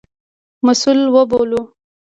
مسوول وبولو.